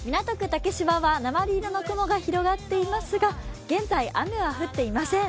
竹芝は鉛色の雲が広がっていますが現在雨は降っていません。